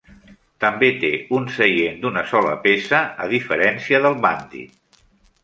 També té un seient d'una sola peça, a diferència del Bandit.